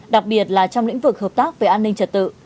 đặc biệt là trong lĩnh vực hợp tác về an ninh trật tự